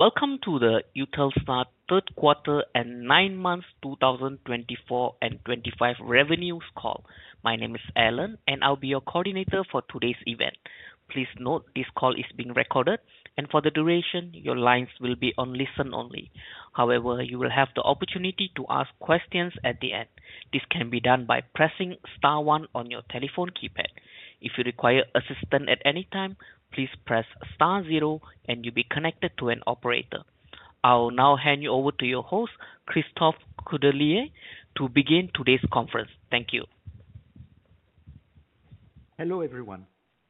Welcome to the Eutelsat third quarter and nine months 2024 and Q25 revenues call. My name is Alan, and I'll be your coordinator for today's event. Please note this call is being recorded, and for the duration, your lines will be on listen only. However, you will have the opportunity to ask questions at the end. This can be done by pressing star one on your telephone keypad. If you require assistance at any time, please press star zero, and you'll be connected to an operator. I'll now hand you over to your host, Christophe Caudrelier, to begin today's conference. Thank you. Hello everyone.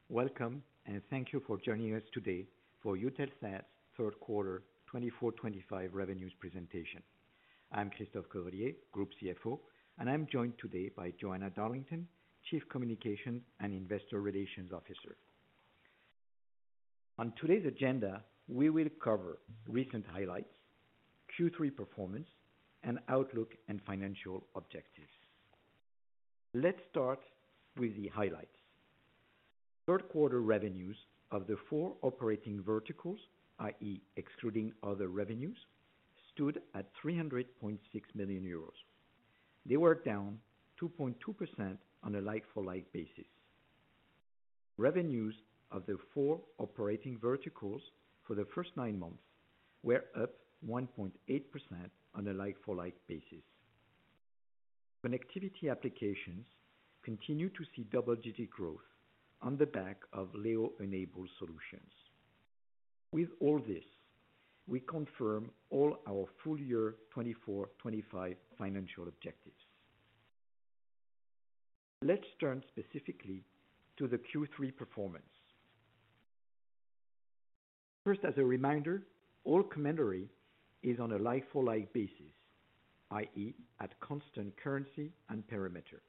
Welcome, and thank you for joining us today for Eutelsat Q3 2024-2025 revenues presentation. I'm Christophe Caudrelier, Group CFO, and I'm joined today by Joanna Darlington, Chief Communication and Investor Relations Officer. On today's agenda, we will cover recent highlights, Q3 performance, and outlook and financial objectives. Let's start with the highlights. Q3 revenues of the four operating verticals, i.e., excluding other revenues, stood at 300.6 million euros. They were down 2.2% on a like-for-like basis. Revenues of the four operating verticals for the first nine months were up 1.8% on a like-for-like basis. Connectivity applications continue to see double-digit growth on the back of LEO-enabled solutions. With all this, we confirm all our full-year 2024-2025 financial objectives. Let's turn specifically to the Q3 performance. First, as a reminder, all commentary is on a like-for-like basis, i.e., at constant currency and parameter.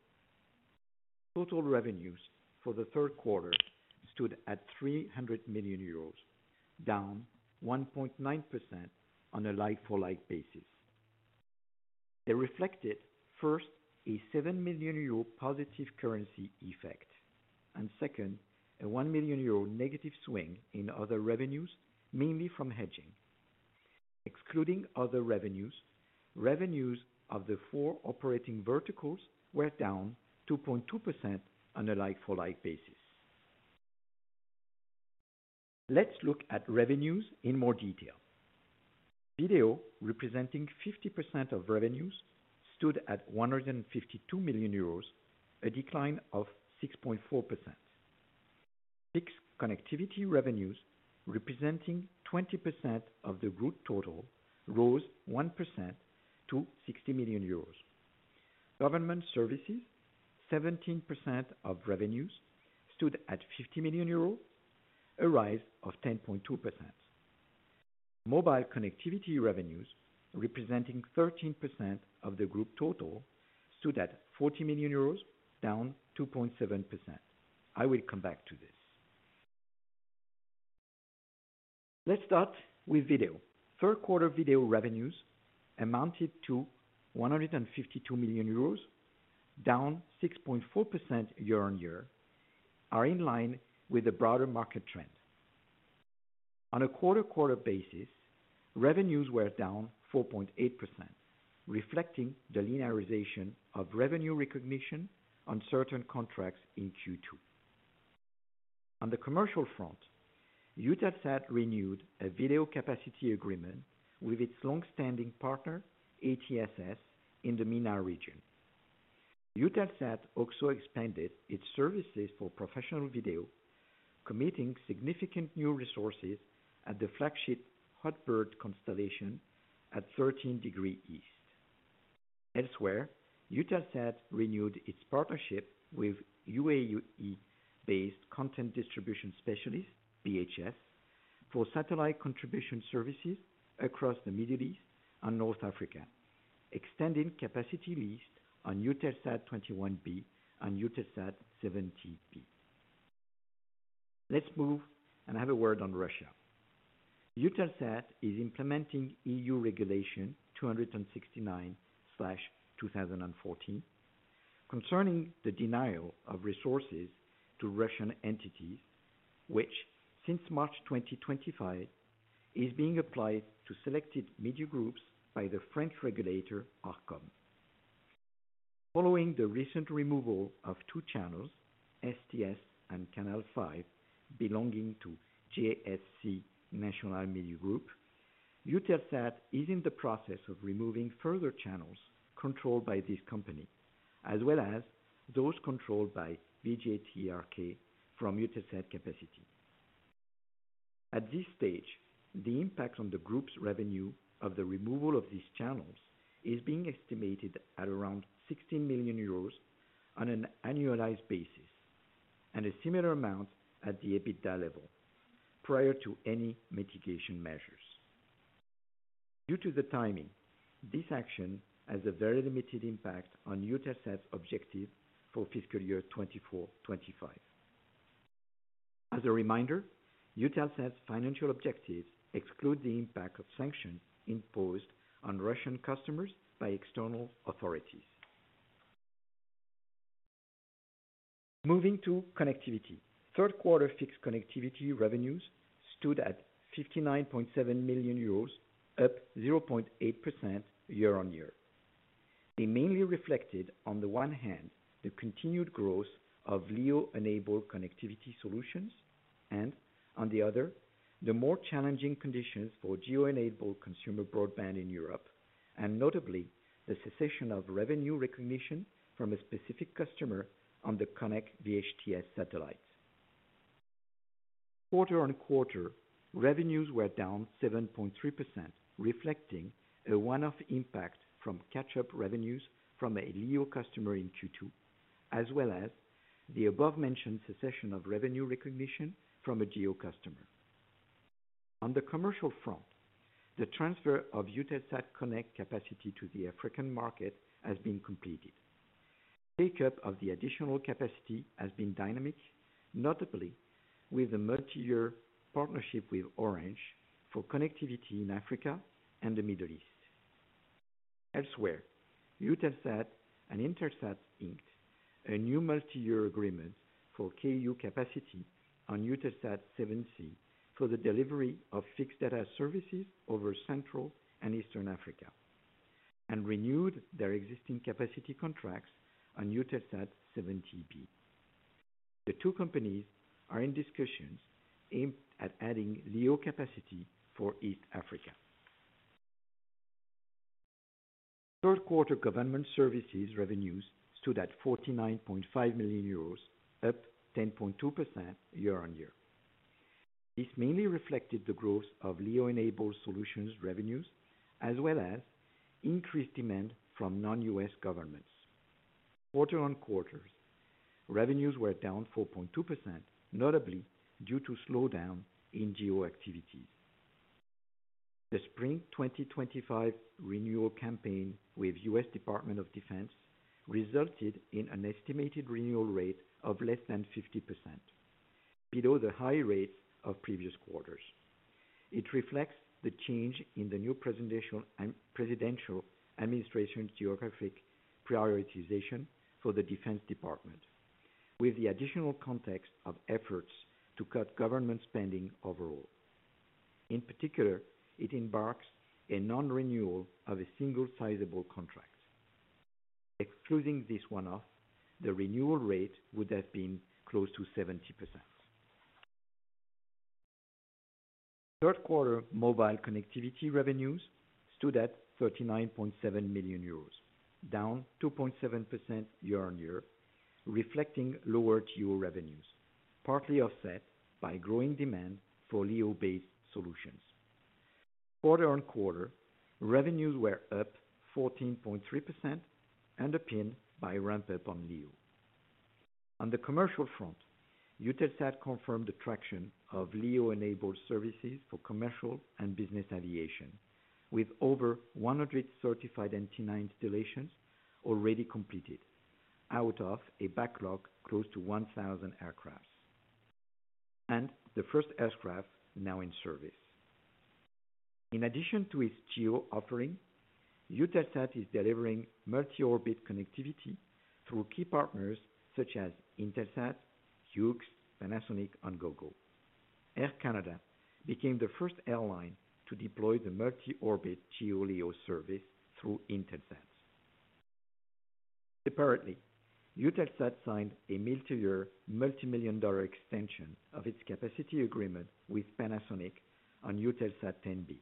Total revenues for the third quarter stood at 300 million euros, down 1.9% on a like-for-like basis. They reflected, first, a 7 million euro positive currency effect, and second, a 1 million euro negative swing in other revenues, mainly from hedging. Excluding other revenues, revenues of the four operating verticals were down 2.2% on a like-for-like basis. Let's look at revenues in more detail. Video, representing 50% of revenues, stood at 152 million euros, a decline of 6.4%. Fixed connectivity revenues, representing 20% of the group total, rose 1% to 60 million euros. Government services, 17% of revenues, stood at 50 million euros, a rise of 10.2%. Mobile connectivity revenues, representing 13% of the group total, stood at 40 million euros, down 2.7%. I will come back to this. Let's start with video. Q3 video revenues, amounting to 152 million euros, down 6.4% year-on-year, are in line with the broader market trend. On a quarter-quarter basis, revenues were down 4.8%, reflecting the linearization of revenue recognition on certain contracts in Q2. On the commercial front, Eutelsat renewed a video capacity agreement with its longstanding partner, Arabsat, in the MENA region. Eutelsat also expanded its services for professional video, committing significant new resources at the flagship Hotbird Constellation at 13° east. Elsewhere, Eutelsat renewed its partnership with UAE-based content distribution specialists, BHS, for satellite contribution services across the Middle East and North Africa, extending capacity lease on Eutelsat 21B and Eutelsat 70B. Let's move and have a word on Russia. Eutelsat is implementing EU Regulation 269/2014 concerning the denial of resources to Russian entities, which, since March 2024, is being applied to selected media groups by the French regulator, Arcom. Following the recent removal of two channels, STS and Canal 5, belonging to JSC National Media Group, Eutelsat is in the process of removing further channels controlled by this company, as well as those controlled by VGTRK from Eutelsat capacity. At this stage, the impact on the group's revenue of the removal of these channels is being estimated at around 16 million euros on an annualized basis, and a similar amount at the EBITDA level, prior to any mitigation measures. Due to the timing, this action has a very limited impact on Eutelsat's objectives for fiscal year 2024-2025. As a reminder, Eutelsat's financial objectives exclude the impact of sanctions imposed on Russian customers by external authorities. Moving to connectivity, Q3 fixed connectivity revenues stood at 59.7 million euros, up 0.8% year-on-year. They mainly reflected, on the one hand, the continued growth of LEO-enabled connectivity solutions, and, on the other, the more challenging conditions for GEO-enabled consumer broadband in Europe, and notably the cessation of revenue recognition from a specific customer on the Connect VHTS satellite. Quarter on quarter, revenues were down 7.3%, reflecting a one-off impact from catch-up revenues from a LEO customer in Q2, as well as the above-mentioned cessation of revenue recognition from a GEO customer. On the commercial front, the transfer of Eutelsat Connect capacity to the African market has been completed. Take-up of the additional capacity has been dynamic, notably with a multi-year partnership with Orange for connectivity in Africa and the Middle East. Elsewhere, Eutelsat and InterSat. A new multi-year agreement for KU capacity on Eutelsat 7C for the delivery of fixed data services over Central and Eastern Africa, and renewed their existing capacity contracts on Eutelsat 70B. The two companies are in discussions aimed at adding LEO capacity for East Africa. Q3 government services revenues stood at 49.5 million euros, up 10.2% year-on-year. This mainly reflected the growth of LEO-enabled solutions revenues, as well as increased demand from non-U.S. governments. Quarter on quarter, revenues were down 4.2%, notably due to slowdown in GEO activities. The Spring 2025 renewal campaign with U.S. Department of Defense resulted in an estimated renewal rate of less than 50%, below the high rates of previous quarters. It reflects the change in the new presidential administration's geographic prioritization for the Defense Department, with the additional context of efforts to cut government spending overall. In particular, it embarks a non-renewal of a single sizable contract. Excluding this one-off, the renewal rate would have been close to 70%. Q3 mobile connectivity revenues stood at 39.7 million euros, down 2.7% year-on-year, reflecting lower GEO revenues, partly offset by growing demand for LEO-based solutions. Quarter on quarter, revenues were up 14.3%, underpinned by ramp-up on LEO. On the commercial front, Eutelsat confirmed the traction of LEO-enabled services for commercial and business aviation, with over 100 certified antenna installations already completed, out of a backlog close to 1,000 aircraft, and the first aircraft now in service. In addition to its GEO offering, Eutelsat is delivering multi-orbit connectivity through key partners such as Intelsat, Hughes, Panasonic, and Gogo. Air Canada became the first airline to deploy the multi-orbit GEO LEO service through Intelsat. Separately, Eutelsat signed a multi-year, multi-million dollar extension of its capacity agreement with Panasonic on Eutelsat 10B,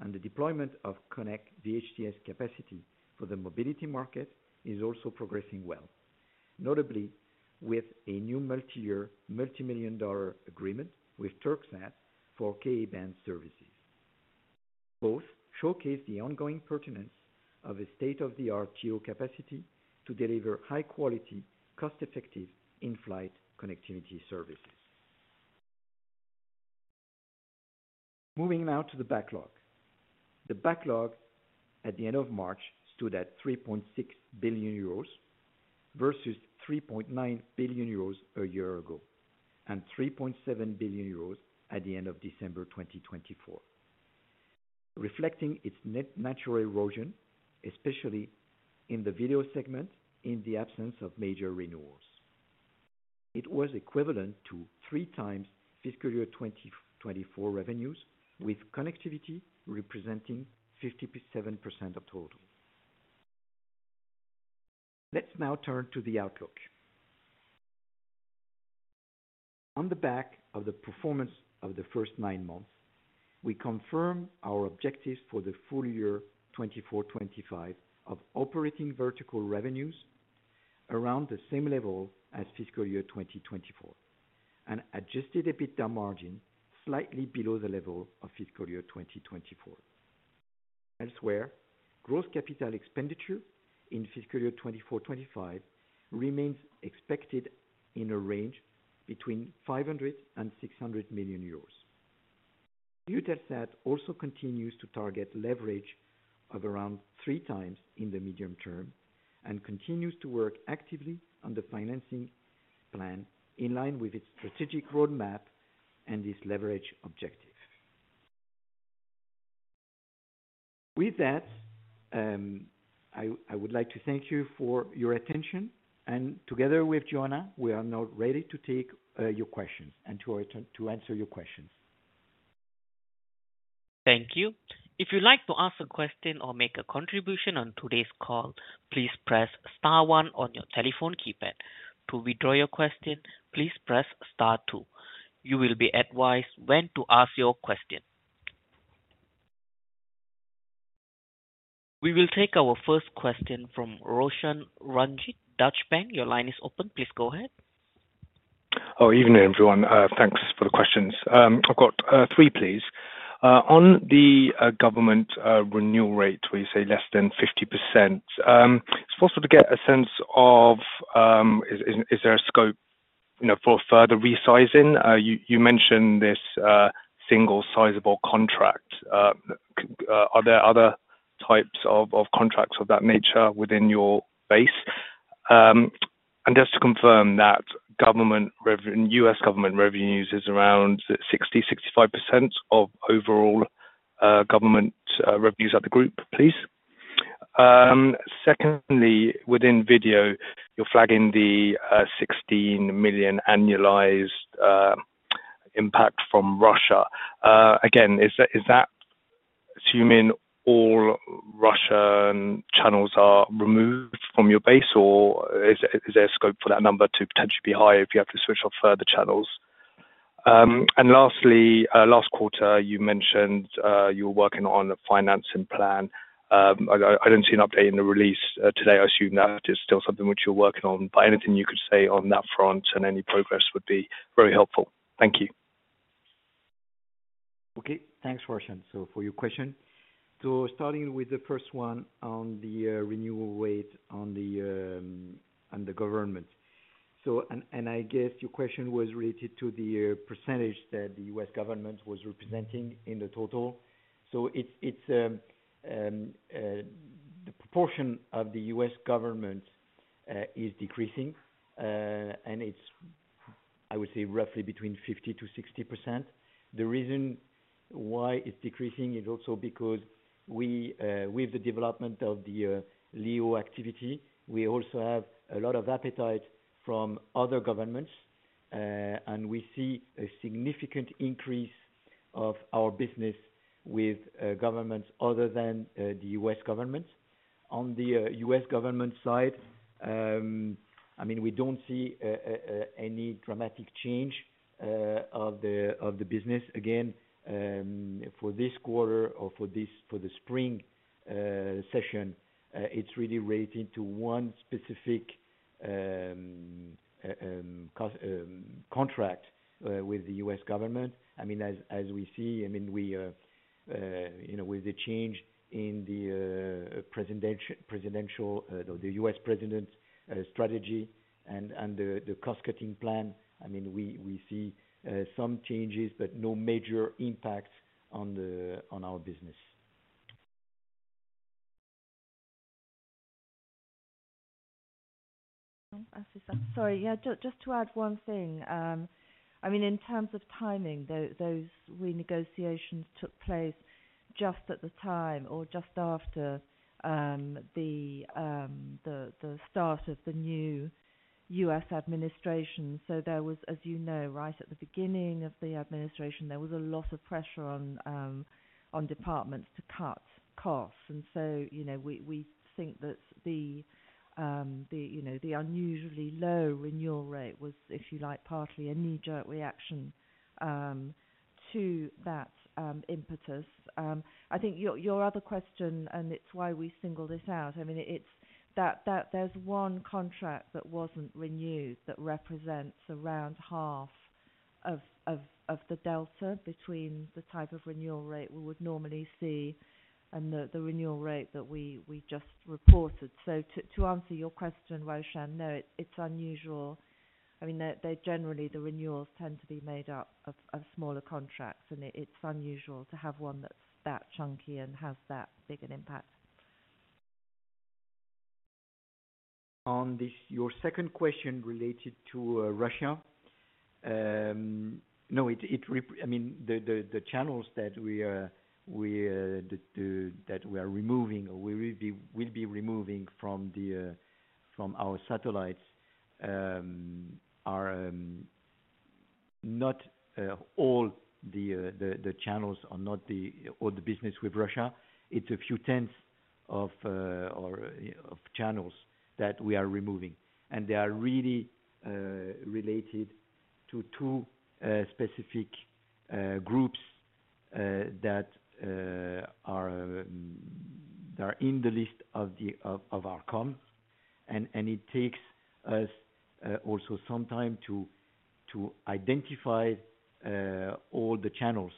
and the deployment of Connect VHTS capacity for the mobility market is also progressing well, notably with a new multi-year, multi-million dollar agreement with Turksat for KA Band services. Both showcase the ongoing pertinence of a state-of-the-art GEO capacity to deliver high-quality, cost-effective, in-flight connectivity services. Moving now to the backlog. The backlog at the end of March stood at 3.6 billion euros versus 3.9 billion euros a year ago, and 3.7 billion euros at the end of December 2024, reflecting its natural erosion, especially in the video segment in the absence of major renewals. It was equivalent to three times fiscal year 2024 revenues, with connectivity representing 57% of total. Let's now turn to the outlook. On the back of the performance of the first nine months, we confirm our objectives for the full year 2024-2025 of operating vertical revenues around the same level as fiscal year 2024, and adjusted EBITDA margin slightly below the level of fiscal year 2024. Elsewhere, gross capital expenditure in fiscal year 2024-2025 remains expected in a range between 500 million euros and 600 million euros. Eutelsat also continues to target leverage of around three times in the medium term and continues to work actively on the financing plan in line with its strategic roadmap and its leverage objective. With that, I would like to thank you for your attention, and together with Joanna, we are now ready to take your questions and to answer your questions. Thank you. If you'd like to ask a question or make a contribution on today's call, please press star one on your telephone keypad. To withdraw your question, please press star two. You will be advised when to ask your question. We will take our first question from Roshan Ranjit, Deutsche Bank. Your line is open. Please go ahead. Oh, evening, everyone. Thanks for the questions. I've got three, please. On the government renewal rate, where you say less than 50%, it's possible to get a sense of, is there a scope for further resizing? You mentioned this single sizable contract. Are there other types of contracts of that nature within your base? And just to confirm that, U.S. government revenues is around 60-65% of overall government revenues of the group, please. Secondly, within video, you're flagging the 16 million annualized impact from Russia. Again, is that assuming all Russian channels are removed from your base, or is there a scope for that number to potentially be higher if you have to switch off further channels? Lastly, last quarter, you mentioned you were working on a financing plan. I did not see an update in the release today. I assume that is still something which you are working on, but anything you could say on that front and any progress would be very helpful. Thank you. Okay. Thanks, Roshan. For your question, starting with the first one on the renewal rate on the government. I guess your question was related to the percentage that the U.S. government was representing in the total. The proportion of the U.S. government is decreasing, and it is, I would say, roughly between 50-60%. The reason why it's decreasing is also because, with the development of the LEO activity, we also have a lot of appetite from other governments, and we see a significant increase of our business with governments other than the U.S. government. On the U.S. government side, I mean, we don't see any dramatic change of the business. Again, for this quarter or for the spring session, it's really related to one specific contract with the U.S. government. I mean, as we see, I mean, with the change in the presidential, the U.S. president's strategy and the cost-cutting plan, I mean, we see some changes, but no major impact on our business. Sorry. Yeah, just to add one thing. I mean, in terms of timing, those renegotiations took place just at the time or just after the start of the new U.S. administration. There was, as you know, right at the beginning of the administration, a lot of pressure on departments to cut costs. We think that the unusually low renewal rate was, if you like, partly a knee-jerk reaction to that impetus. I think your other question, and it is why we single this out, I mean, it is that there is one contract that was not renewed that represents around half of the delta between the type of renewal rate we would normally see and the renewal rate that we just reported. To answer your question, Roshan, no, it is unusual. I mean, generally, the renewals tend to be made up of smaller contracts, and it is unusual to have one that is that chunky and has that big an impact. On your second question related to Russia, no, I mean, the channels that we are removing or will be removing from our satellites are not all the channels or not all the business with Russia. It's a few tens of channels that we are removing, and they are really related to two specific groups that are in the list of Arcom. It takes us also some time to identify all the channels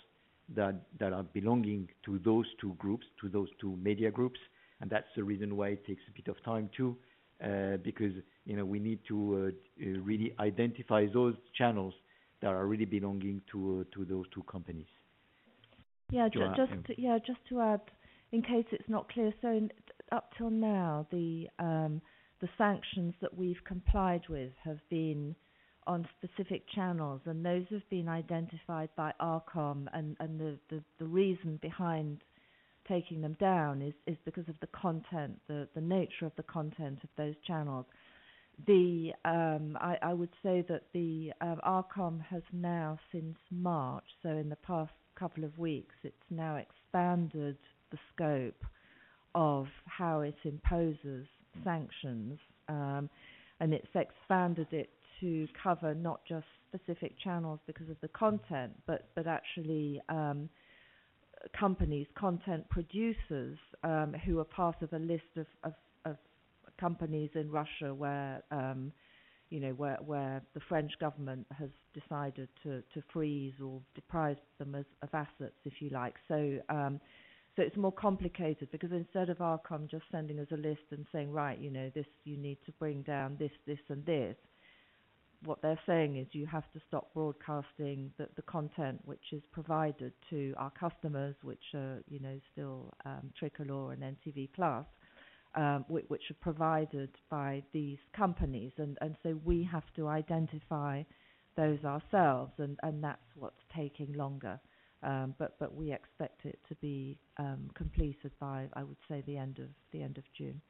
that are belonging to those two groups, to those two media groups. That's the reason why it takes a bit of time too, because we need to really identify those channels that are really belonging to those two companies. Yeah, just to add, in case it's not clear, up till now, the sanctions that we've complied with have been on specific channels, and those have been identified by Arcom. The reason behind taking them down is because of the content, the nature of the content of those channels. I would say that Arcom has now, since March, so in the past couple of weeks, it's now expanded the scope of how it imposes sanctions, and it's expanded it to cover not just specific channels because of the content, but actually companies, content producers who are part of a list of companies in Russia where the French government has decided to freeze or deprive them of assets, if you like. It is more complicated because instead of Arcom just sending us a list and saying, "Right, you need to bring down this, this, and this," what they're saying is you have to stop broadcasting the content which is provided to our customers, which are still Tricolor and NTV Plus, which are provided by these companies. We have to identify those ourselves, and that's what's taking longer. We expect it to be completed by, I would say, the end of June.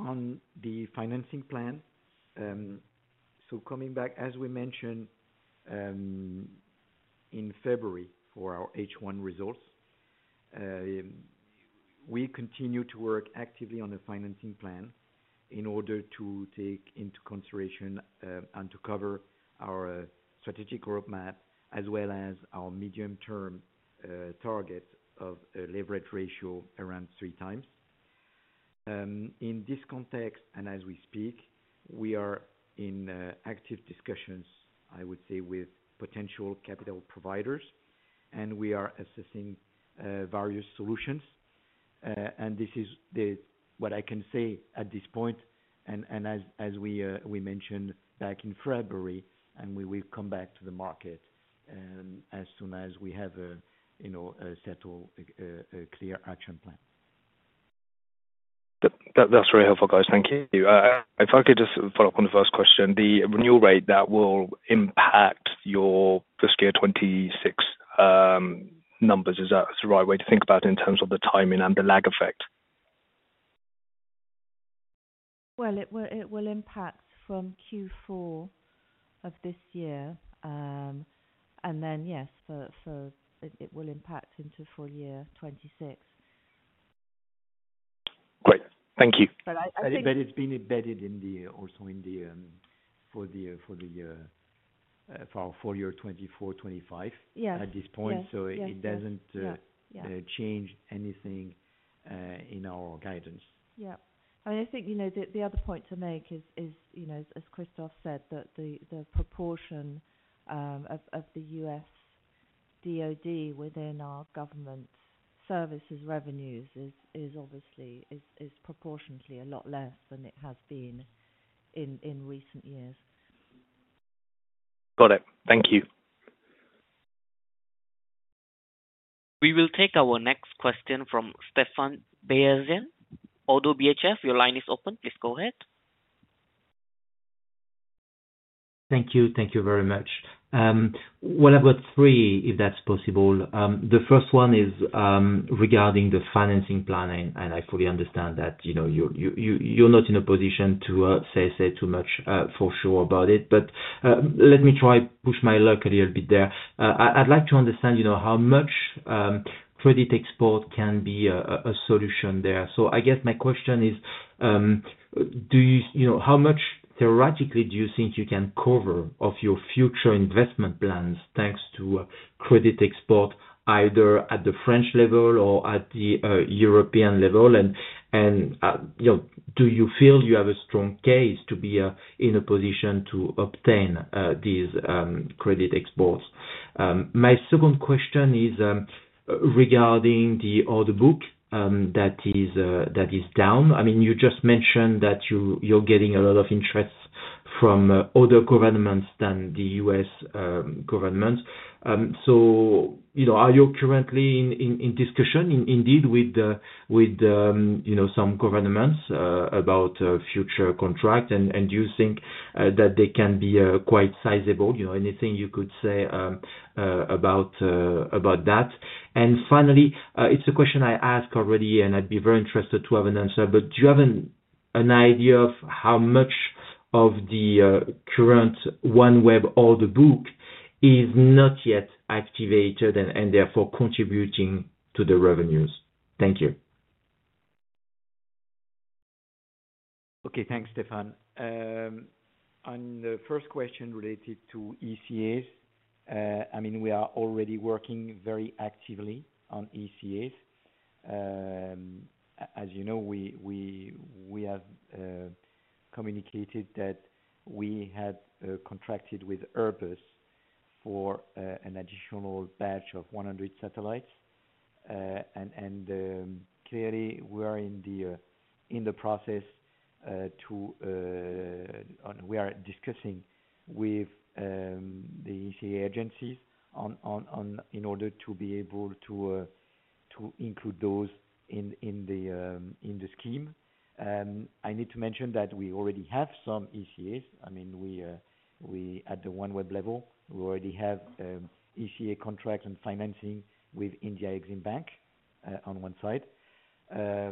On the financing plan, coming back, as we mentioned in February for our H1 results, we continue to work actively on the financing plan in order to take into consideration and to cover our strategic roadmap as well as our medium-term target of a leverage ratio around three times. In this context, as we speak, we are in active discussions, I would say, with potential capital providers, and we are assessing various solutions. This is what I can say at this point, as we mentioned back in February, and we will come back to the market as soon as we have a settled, clear action plan. That's very helpful, guys. Thank you. If I could just follow up on the first question, the renewal rate that will impact your fiscal year 2026 numbers, is that the right way to think about it in terms of the timing and the lag effect? It will impact from Q4 of this year, and then, yes, it will impact into full year 2026. Great. Thank you. It has been embedded also for the full year 2024, 2025 at this point, so it does not change anything in our guidance. Yeah. I mean, I think the other point to make is, as Christophe said, that the proportion of the U.S. DOD within our government services revenues is obviously proportionately a lot less than it has been in recent years. Got it. Thank you. We will take our next question from Stephane Beyazian, ODDO BHF, your line is open. Please go ahead. Thank you. Thank you very much. I've got three, if that's possible. The first one is regarding the financing plan, and I fully understand that you're not in a position to say too much for sure about it, but let me try to push my luck a little bit there. I'd like to understand how much credit export can be a solution there. I guess my question is, how much theoretically do you think you can cover of your future investment plans thanks to credit export, either at the French level or at the European level? Do you feel you have a strong case to be in a position to obtain these credit exports? My second question is regarding the order book that is down. I mean, you just mentioned that you're getting a lot of interest from other governments than the U.S. government. Are you currently in discussion, indeed, with some governments about future contracts, and do you think that they can be quite sizable? Anything you could say about that? Finally, it's a question I asked already, and I'd be very interested to have an answer, but do you have an idea of how much of the current OneWeb order book is not yet activated and therefore contributing to the revenues? Thank you. Okay. Thanks, Stephane. On the first question related to ECAs, I mean, we are already working very actively on ECAs. As you know, we have communicated that we had contracted with Airbus for an additional batch of 100 satellites. Clearly, we are in the process to—we are discussing with the ECA agencies in order to be able to include those in the scheme. I need to mention that we already have some ECAs. I mean, at the OneWeb level, we already have ECA contracts and financing with India Exim Bank on one side. How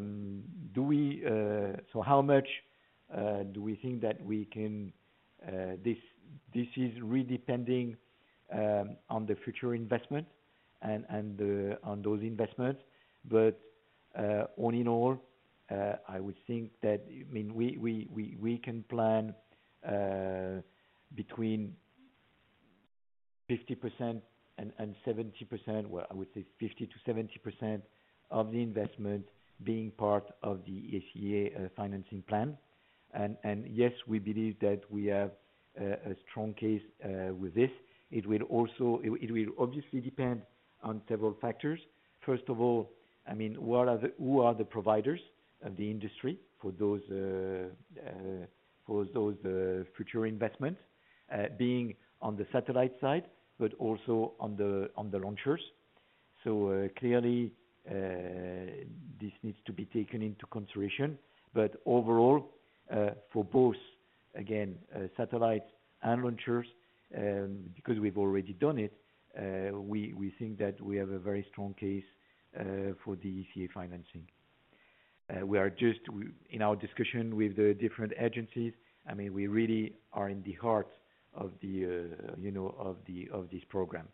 much do we think that we can—this is really depending on the future investment and on those investments. All in all, I would think that, I mean, we can plan between 50% and 70%, I would say 50-70% of the investment being part of the ECA financing plan. Yes, we believe that we have a strong case with this. It will obviously depend on several factors. First of all, I mean, who are the providers of the industry for those future investments, being on the satellite side, but also on the launchers? Clearly, this needs to be taken into consideration. Overall, for both, again, satellites and launchers, because we've already done it, we think that we have a very strong case for the ECA financing. We are just, in our discussion with the different agencies, I mean, we really are in the heart of this program.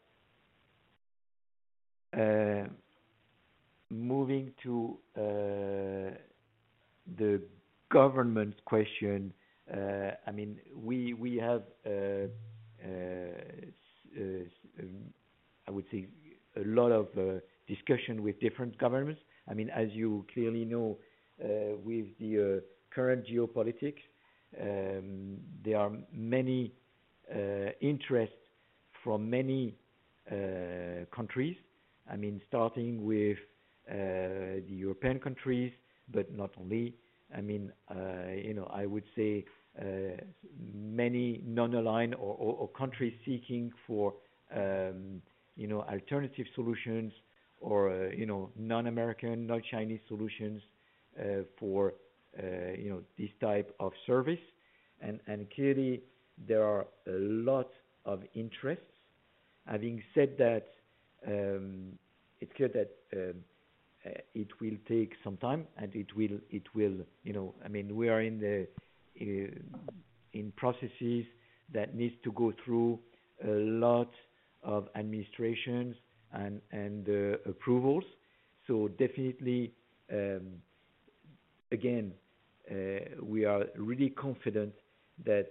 Moving to the government question, I mean, we have, I would say, a lot of discussion with different governments. I mean, as you clearly know, with the current geopolitics, there are many interests from many countries, I mean, starting with the European countries, but not only. I mean, I would say many non-aligned or countries seeking for alternative solutions or non-American, non-Chinese solutions for this type of service. Clearly, there are a lot of interests. Having said that, it's clear that it will take some time, and it will—I mean, we are in processes that need to go through a lot of administrations and approvals. Definitely, again, we are really confident that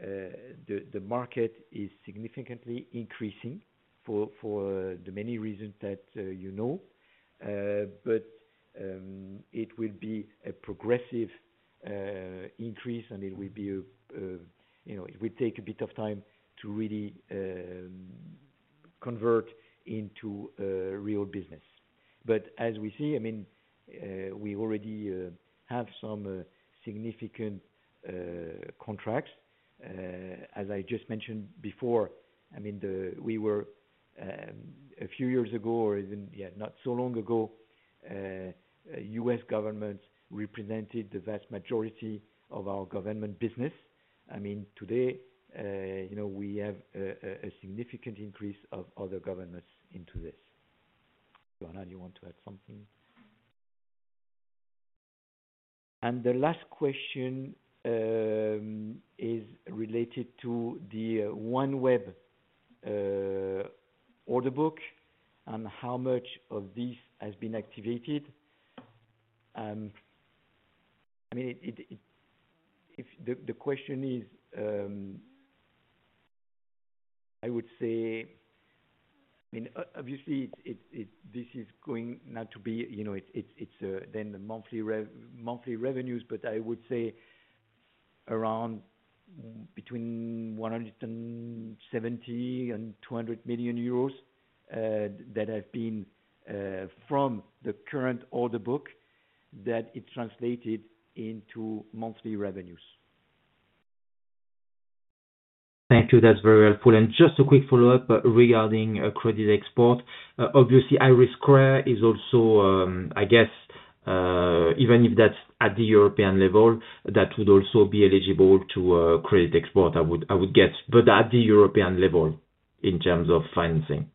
the market is significantly increasing for the many reasons that you know, but it will be a progressive increase, and it will take a bit of time to really convert into real business. As we see, I mean, we already have some significant contracts. As I just mentioned before, I mean, we were a few years ago, or even not so long ago, U.S. governments represented the vast majority of our government business. Today, we have a significant increase of other governments into this. Joanna, you want to add something? The last question is related to the OneWeb order book and how much of this has been activated. I mean, the question is, I would say, I mean, obviously, this is going not to be—it's then the monthly revenues, but I would say around between 170 million and 200 million euros that have been from the current order book that it's translated into monthly revenues. Thank you. That's very helpful. Just a quick follow-up regarding credit export. Obviously, IRIS2 is also, I guess, even if that's at the European level, that would also be eligible to credit export, I would guess. At the European level in terms of financing.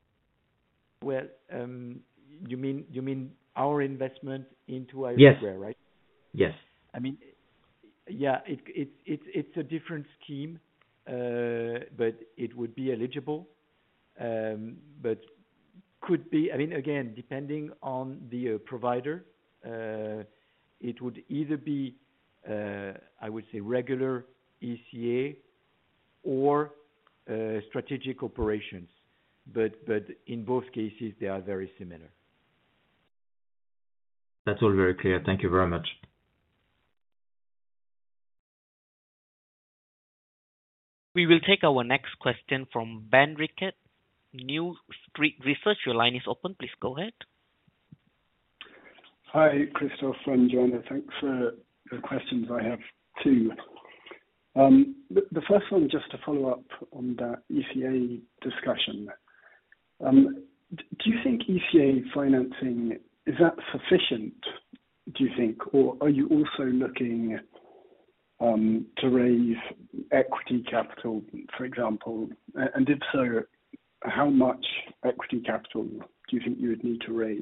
You mean our investment into IRIS2, right? Yes. I mean, yeah, it's a different scheme, but it would be eligible. But could be—I mean, again, depending on the provider, it would either be, I would say, regular ECA or strategic operations. In both cases, they are very similar. That's all very clear. Thank you very much. We will take our next question from Ben Rickett. New Street Research, your line is open. Please go ahead. Hi, Christophe and Joanna. Thanks for the questions. I have two. The first one, just to follow up on that ECA discussion. Do you think ECA financing, is that sufficient, do you think? Or are you also looking to raise equity capital, for example? If so, how much equity capital do you think you would need to raise?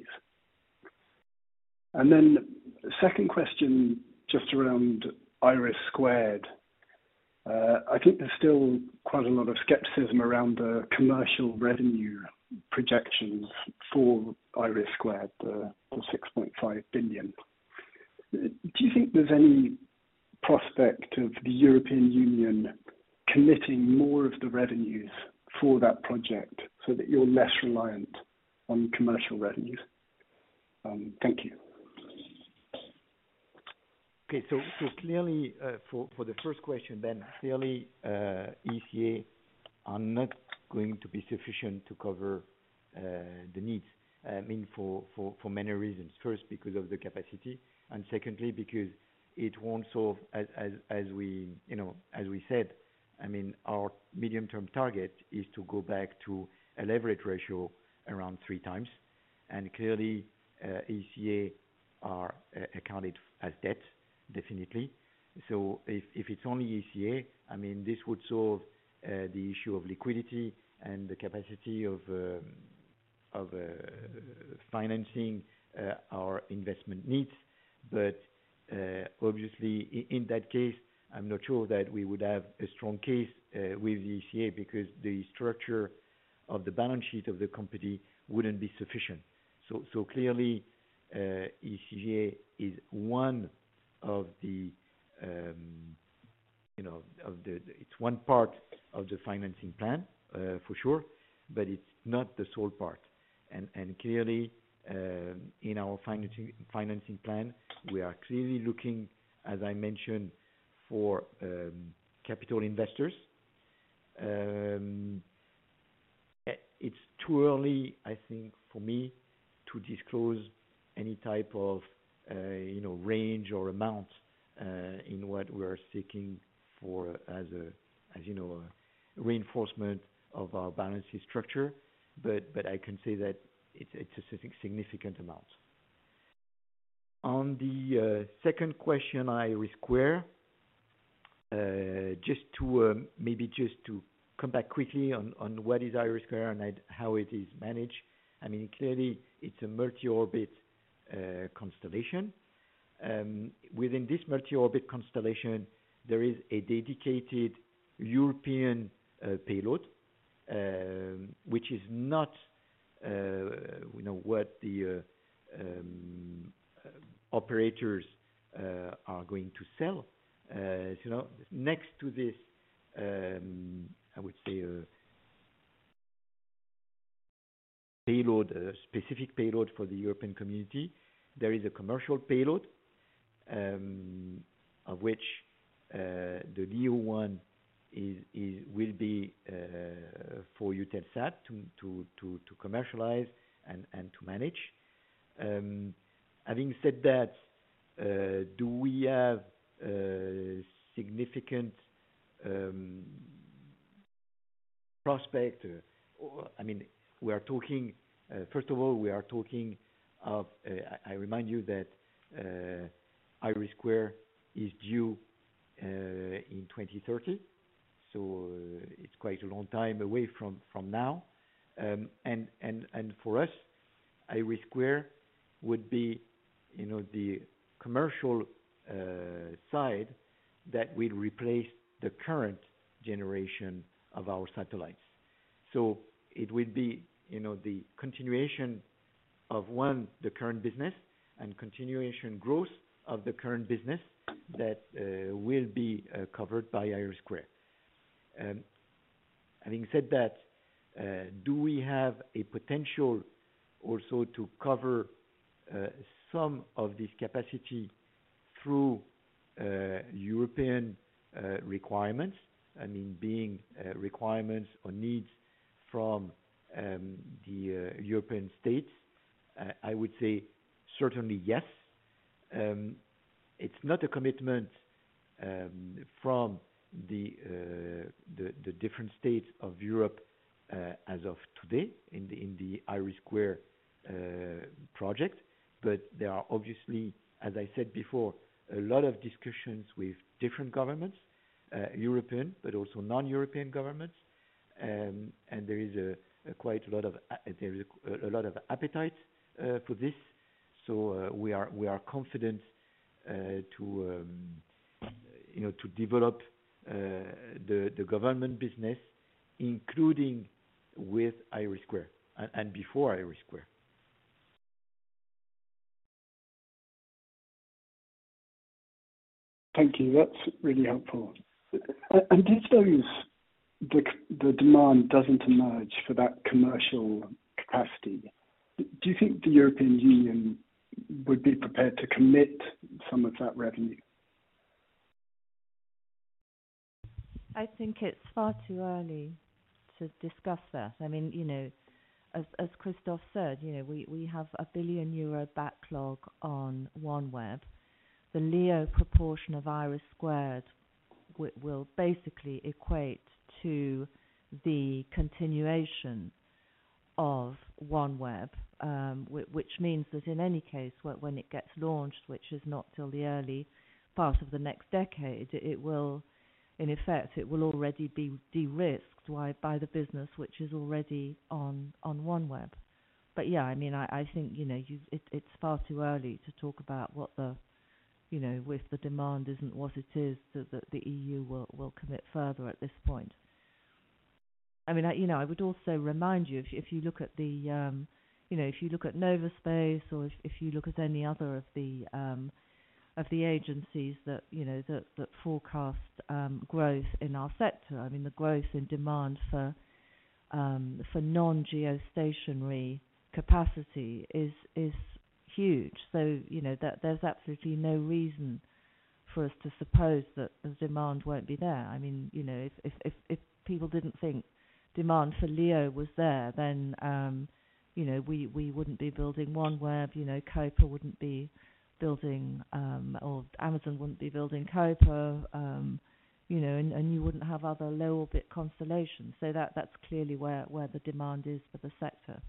Second question, just around IRIS2. I think there's still quite a lot of skepticism around the commercial revenue projections for IRIS2, the 6.5 billion. Do you think there's any prospect of the European Union committing more of the revenues for that project so that you're less reliant on commercial revenues? Thank you. Okay. So clearly, for the first question then, clearly, ECA are not going to be sufficient to cover the needs. I mean, for many reasons. First, because of the capacity. And secondly, because it won't solve, as we said, I mean, our medium-term target is to go back to a leverage ratio around three times. And clearly, ECA are accounted as debt, definitely. If it's only ECA, I mean, this would solve the issue of liquidity and the capacity of financing our investment needs. Obviously, in that case, I'm not sure that we would have a strong case with the ECA because the structure of the balance sheet of the company wouldn't be sufficient. ECA is one part of the financing plan, for sure, but it is not the sole part. In our financing plan, we are clearly looking, as I mentioned, for capital investors. It is too early, I think, for me to disclose any type of range or amount in what we are seeking for, as you know, reinforcement of our balance sheet structure. I can say that it is a significant amount. On the second question, IRIS2, just to maybe come back quickly on what is IRIS2 and how it is managed. I mean, it is a multi-orbit constellation. Within this multi-orbit constellation, there is a dedicated European payload, which is not what the operators are going to sell. Next to this, I would say, a specific payload for the European community. There is a commercial payload, of which the LEO one will be for Eutelsat to commercialize and to manage. Having said that, do we have significant prospect? I mean, we are talking—first of all, we are talking of—I remind you that IRIS² is due in 2030. It is quite a long time away from now. For us, IRIS² would be the commercial side that will replace the current generation of our satellites. It would be the continuation of, one, the current business and continuation growth of the current business that will be covered by IRIS². Having said that, do we have a potential also to cover some of this capacity through European requirements, I mean, being requirements or needs from the European states? I would say certainly yes. It's not a commitment from the different states of Europe as of today in the IRIS² project. There are obviously, as I said before, a lot of discussions with different governments, European, but also non-European governments. There is quite a lot of—there is a lot of appetite for this. We are confident to develop the government business, including with IRIS² and before IRIS². Thank you. That's really helpful. If the demand does not emerge for that commercial capacity, do you think the European Union would be prepared to commit some of that revenue? I think it's far too early to discuss that. I mean, as Christophe said, we have a 1 billion euro backlog on OneWeb. The LEO proportion of IRIS² will basically equate to the continuation of OneWeb, which means that in any case, when it gets launched, which is not till the early part of the next decade, it will, in effect, already be de-risked by the business which is already on OneWeb. Yeah, I mean, I think it's far too early to talk about what the—if the demand isn't what it is, that the EU will commit further at this point. I mean, I would also remind you, if you look at NovaSpace or if you look at any other of the agencies that forecast growth in our sector, I mean, the growth in demand for non-geostationary capacity is huge. There's absolutely no reason for us to suppose that the demand won't be there. I mean, if people did not think demand for LEO was there, then we would not be building OneWeb, Kuiper would not be building, or Amazon would not be building Kuiper, and you would not have other low-orbit constellations. That is clearly where the demand is for the sector.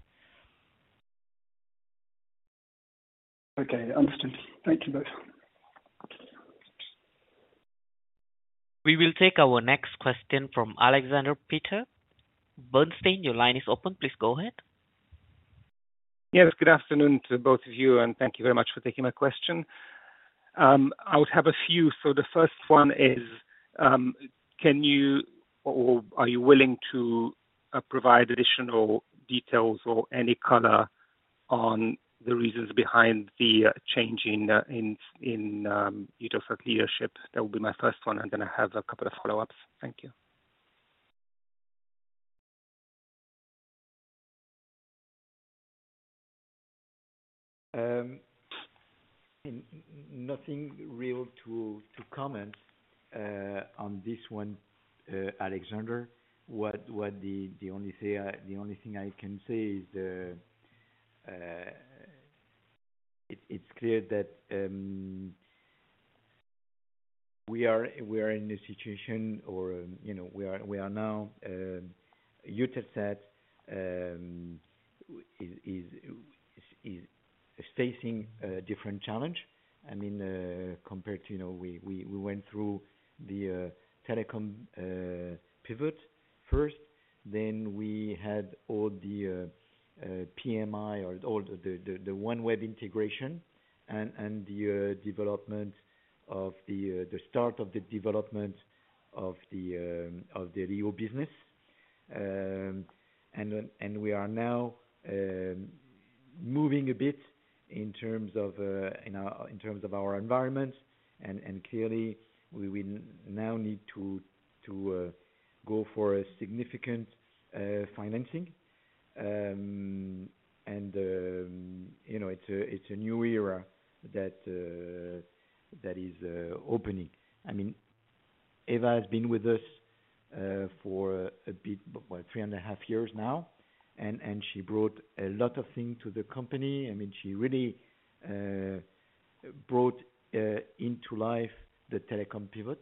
Okay. Understood. Thank you both. We will take our next question from Alexander Peterc, Bernstein, your line is open. Please go ahead. Yes. Good afternoon to both of you, and thank you very much for taking my question. I would have a few. The first one is, can you or are you willing to provide additional details or any color on the reasons behind the change in Eutelsat leadership? That will be my first one, and then I have a couple of follow-ups. Thank you. Nothing real to comment on this one, Alexander. The only thing I can say is it's clear that we are in a situation where we are now, Eutelsat is facing a different challenge. I mean, compared to, we went through the telecom pivot first, then we had all the PMI or the OneWeb integration and the development of the start of the development of the LEO business. We are now moving a bit in terms of our environment, and clearly, we now need to go for a significant financing. It's a new era that is opening. I mean, Eva has been with us for a bit, three and a half years now, and she brought a lot of things to the company. I mean, she really brought into life the telecom pivot,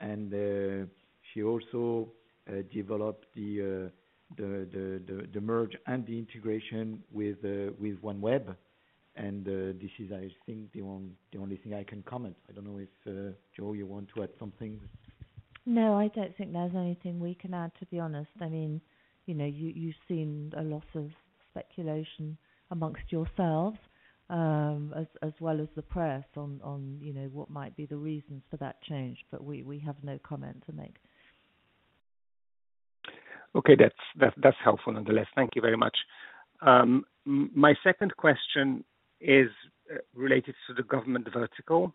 and she also developed the merge and the integration with OneWeb. This is, I think, the only thing I can comment. I don't know if, Joe, you want to add something? No, I don't think there's anything we can add, to be honest. I mean, you've seen a lot of speculation amongst yourselves as well as the press on what might be the reasons for that change, but we have no comment to make. Okay. That's helpful nonetheless. Thank you very much. My second question is related to the government vertical.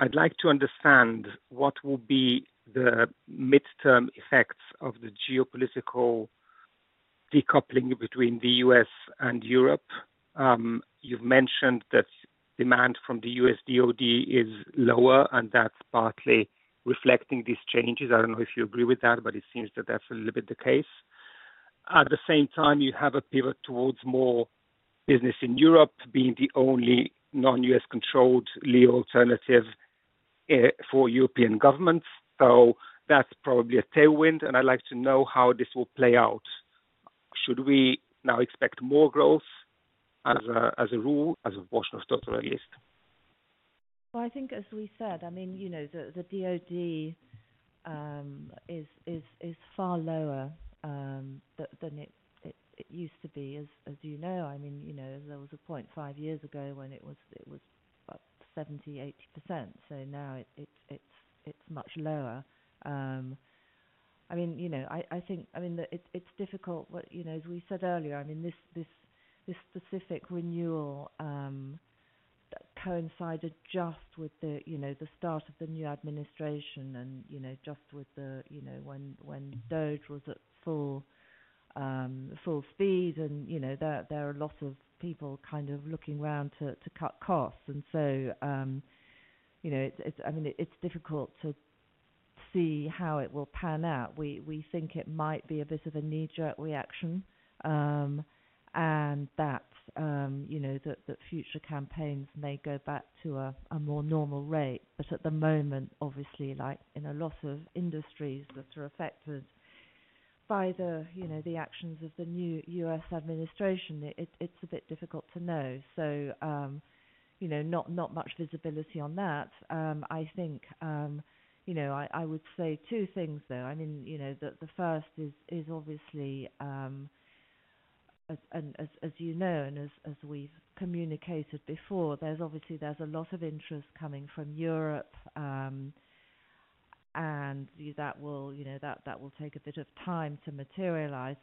I'd like to understand what will be the midterm effects of the geopolitical decoupling between the U.S. and Europe. You've mentioned that demand from the U.S. DOD is lower, and that's partly reflecting these changes. I don't know if you agree with that, but it seems that that's a little bit the case. At the same time, you have a pivot towards more business in Europe being the only non-U.S.-controlled LEO alternative for European governments. That is probably a tailwind, and I'd like to know how this will play out. Should we now expect more growth as a rule, as a portion of total at least? I think, as we said, the DOD is far lower than it used to be. As you know, there was a point five years ago when it was 70-80%. Now it is much lower. I think it is difficult. As we said earlier, this specific renewal coincided just with the start of the new administration and just when DOD was at full speed, and there are lots of people kind of looking around to cut costs. It is difficult to see how it will pan out. We think it might be a bit of a knee-jerk reaction and that future campaigns may go back to a more normal rate. At the moment, obviously, in a lot of industries that are affected by the actions of the new U.S. administration, it's a bit difficult to know. Not much visibility on that. I think I would say two things though. I mean, the first is obviously, as you know and as we've communicated before, obviously, there's a lot of interest coming from Europe, and that will take a bit of time to materialize.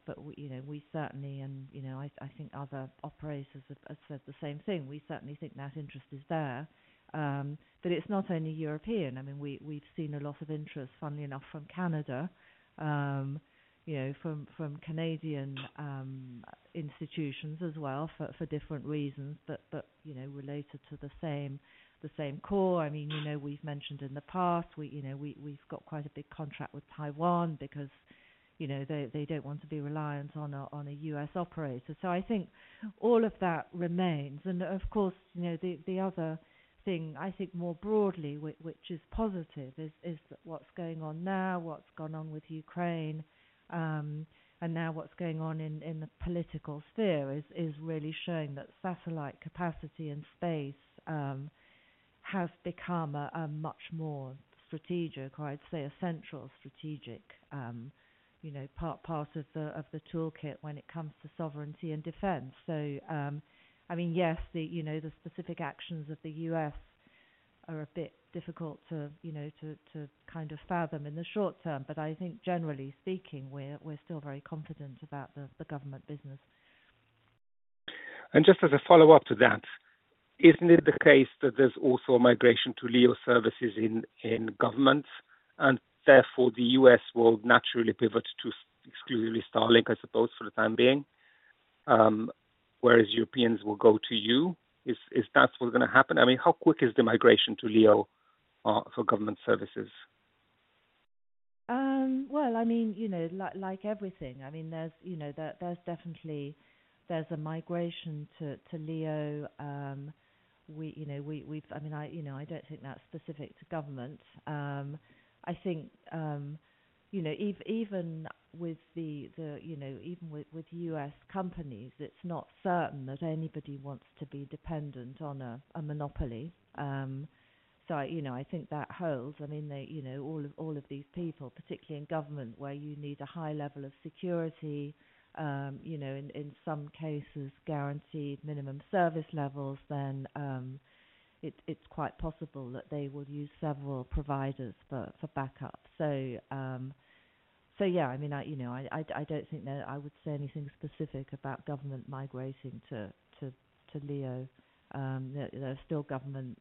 We certainly, and I think other operators have said the same thing, we certainly think that interest is there. It's not only European. I mean, we've seen a lot of interest, funnily enough, from Canada, from Canadian institutions as well for different reasons but related to the same core. I mean, we've mentioned in the past, we've got quite a big contract with Taiwan because they do not want to be reliant on a U.S. operator. I think all of that remains. Of course, the other thing, I think more broadly, which is positive, is that what is going on now, what has gone on with Ukraine, and now what is going on in the political sphere is really showing that satellite capacity and space have become a much more strategic, or I would say a central strategic part of the toolkit when it comes to sovereignty and defense. I mean, yes, the specific actions of the U.S. are a bit difficult to kind of fathom in the short term, but I think, generally speaking, we are still very confident about the government business. Just as a follow-up to that, isn't it the case that there's also a migration to LEO services in government, and therefore the U.S. will naturally pivot to exclusively Starlink, I suppose, for the time being, whereas Europeans will go to you? Is that what's going to happen? I mean, how quick is the migration to LEO for government services? I mean, like everything, I mean, there's definitely a migration to LEO. I mean, I don't think that's specific to government. I think even with U.S. companies, it's not certain that anybody wants to be dependent on a monopoly. I think that holds. I mean, all of these people, particularly in government where you need a high level of security, in some cases, guaranteed minimum service levels, then it's quite possible that they will use several providers for backup. Yeah, I mean, I don't think that I would say anything specific about government migrating to LEO. There are still government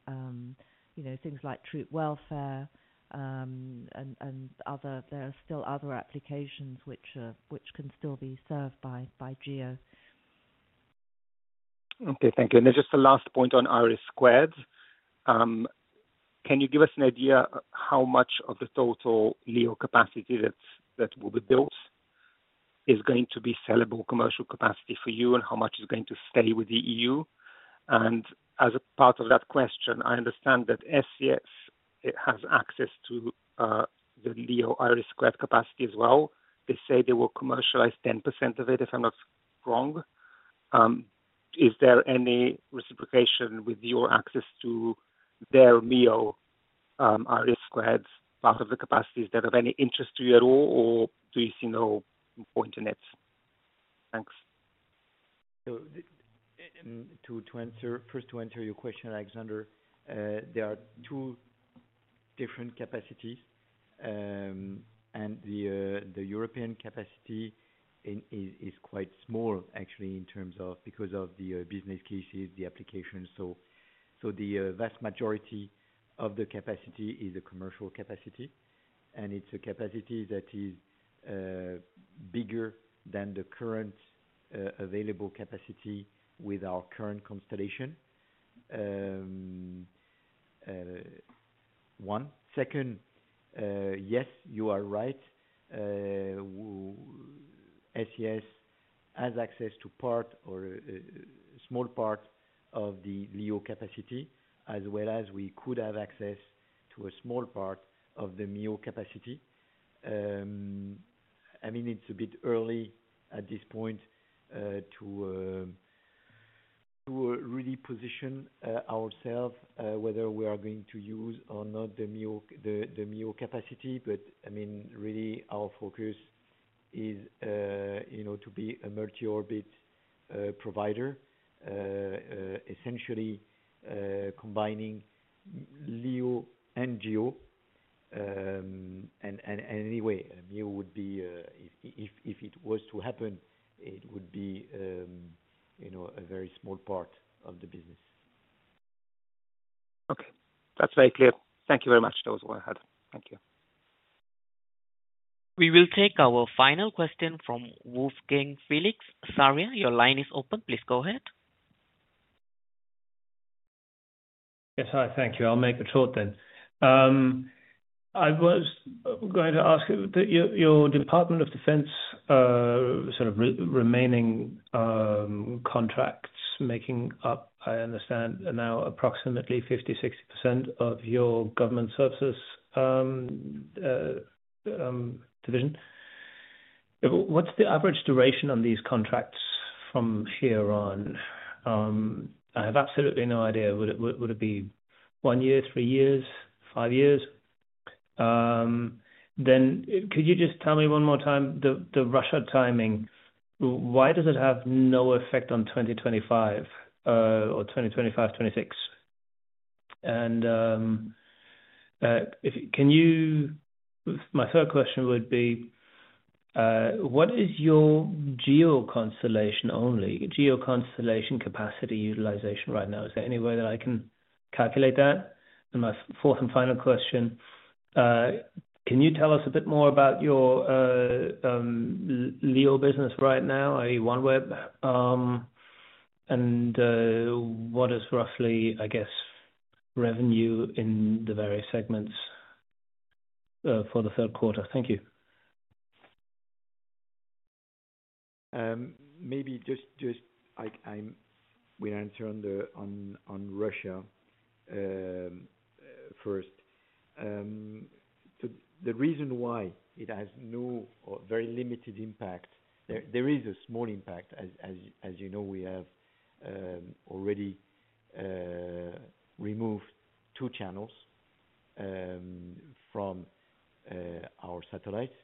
things like troop welfare and other, there are still other applications which can still be served by GEO. Okay. Thank you. And then just the last point on IRIS². Can you give us an idea how much of the total LEO capacity that will be built is going to be sellable commercial capacity for you and how much is going to stay with the EU? As a part of that question, I understand that SES has access to the LEO IRIS² capacity as well. They say they will commercialize 10% of it, if I'm not wrong. Is there any reciprocation with your access to their LEO IRIS² part of the capacities that have any interest to you at all, or do you see no point in it? Thanks. First, to answer your question, Alexander, there are two different capacities, and the European capacity is quite small, actually, in terms of because of the business cases, the applications. The vast majority of the capacity is a commercial capacity, and it is a capacity that is bigger than the current available capacity with our current constellation. One. Second, yes, you are right. SES has access to part or a small part of the LEO capacity, as well as we could have access to a small part of the MEO capacity. I mean, it is a bit early at this point to really position ourselves whether we are going to use or not the MEO capacity. I mean, really, our focus is to be a multi-orbit provider, essentially combining LEO and GEO. Anyway, MEO would be, if it was to happen, it would be a very small part of the business. Okay. That is very clear. Thank you very much. That was all I had. Thank you. We will take our final question from Wolfgang Felix. Sarria, your line is open. Please go ahead. Yes. Hi. Thank you. I'll make it short then. I was going to ask you, your Department of Defense sort of remaining contracts making up, I understand, now approximately 50-60% of your government services division. What is the average duration on these contracts from here on? I have absolutely no idea. Would it be one year, three years, five years? Could you just tell me one more time the Russia timing? Why does it have no effect on 2025 or 2025, 2026? And my third question would be, what is your GEO constellation capacity utilization right now? Is there any way that I can calculate that? And my fourth and final question, can you tell us a bit more about your LEO business right now, i.e., OneWeb, and what is roughly, I guess, revenue in the various segments for the third quarter? Thank you. Maybe just we answer on Russia first. The reason why it has no very limited impact, there is a small impact. As you know, we have already removed two channels from our satellites.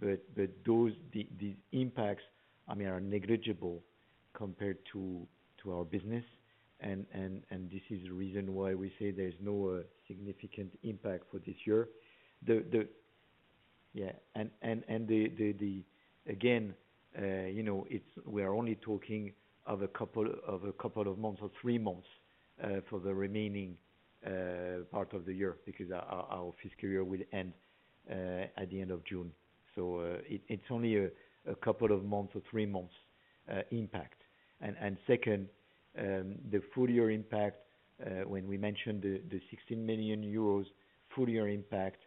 These impacts, I mean, are negligible compared to our business, and this is the reason why we say there's no significant impact for this year. Yeah. We are only talking of a couple of months or three months for the remaining part of the year because our fiscal year will end at the end of June. It is only a couple of months or three months impact. Second, the full year impact, when we mentioned the 16 million euros full year impact,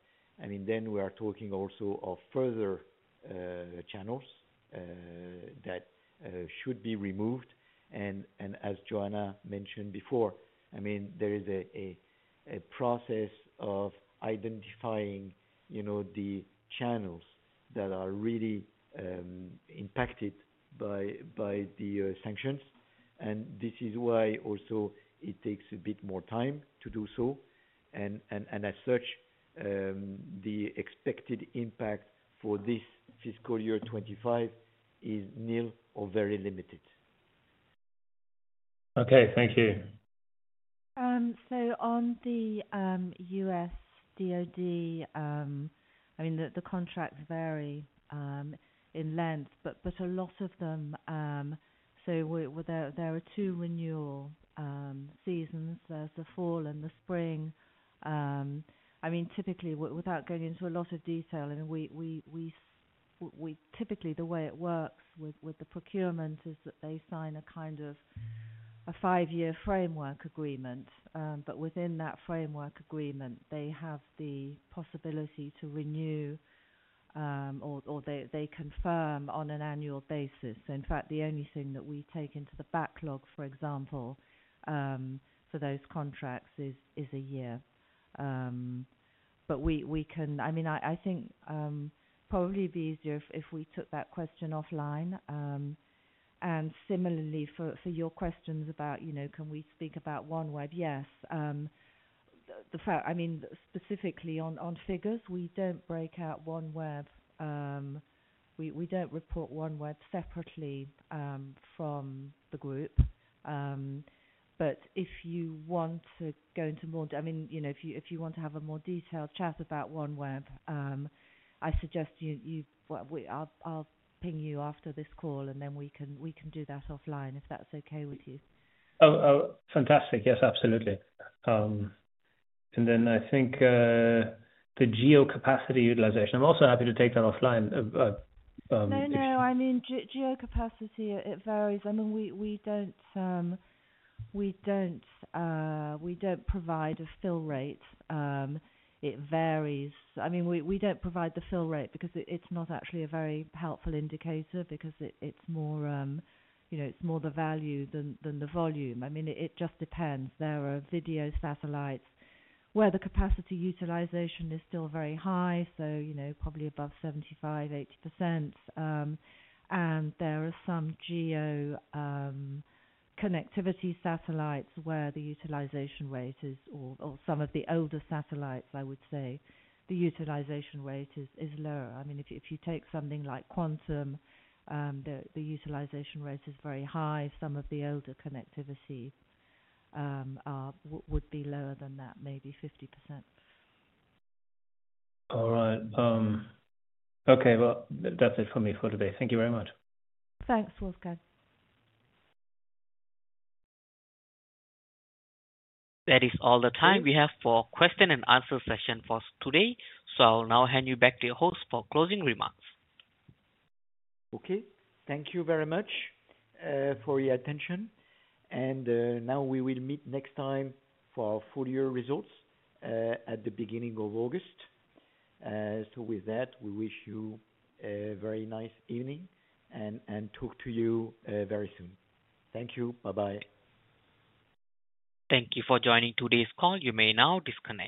I mean, then we are talking also of further channels that should be removed. As Joanna mentioned before, there is a process of identifying the channels that are really impacted by the sanctions. This is why it takes a bit more time to do so. As such, the expected impact for this fiscal year 2025 is nil or very limited. Okay. Thank you. On the U.S. DOD, I mean, the contracts vary in length, but a lot of them, so there are two renewal seasons. There is the fall and the spring. I mean, typically, without going into a lot of detail, I mean, typically, the way it works with the procurement is that they sign a kind of a five-year framework agreement. Within that framework agreement, they have the possibility to renew or they confirm on an annual basis. In fact, the only thing that we take into the backlog, for example, for those contracts is a year. I mean, I think probably it would be easier if we took that question offline. Similarly, for your questions about can we speak about OneWeb? Yes. I mean, specifically on figures, we do not break out OneWeb. We do not report OneWeb separately from the group. If you want to go into more, I mean, if you want to have a more detailed chat about OneWeb, I suggest I'll ping you after this call, and then we can do that offline if that's okay with you. Oh, fantastic. Yes, absolutely. I think the GEO capacity utilization, I'm also happy to take that offline. No, I mean, GEO capacity, it varies. We do not provide a fill rate. It varies. We do not provide the fill rate because it's not actually a very helpful indicator because it's more the value than the volume. It just depends. There are video satellites where the capacity utilization is still very high, so probably above 75-80%. There are some GEO connectivity satellites where the utilization rate is, or some of the older satellites, I would say, the utilization rate is lower. I mean, if you take something like Quantum, the utilization rate is very high. Some of the older connectivity would be lower than that, maybe 50%. All right. Okay. That is it for me for today. Thank you very much. Thanks, Wolfgang. That is all the time we have for question and answer session for today. I will now hand you back to your host for closing remarks. Okay. Thank you very much for your attention. We will meet next time for our full year results at the beginning of August. With that, we wish you a very nice evening and talk to you very soon. Thank you. Bye-bye. Thank you for joining today's call. You may now disconnect.